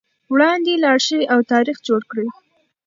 وړاندې لاړ شئ او تاریخ جوړ کړئ.